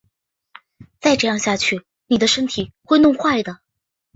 再这样下去妳身体会弄坏的